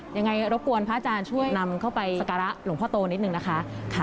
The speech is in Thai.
ยังไงรบกวนพระอาจารย์ช่วยนำเข้าไปสการะหลวงพ่อโตนิดนึงนะคะ